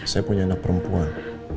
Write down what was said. saya punya anak perempuan